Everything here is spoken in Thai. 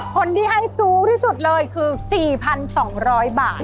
คนที่ให้สูงที่สุดเลยคือ๔๒๐๐บาท